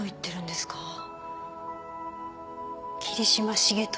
桐島重利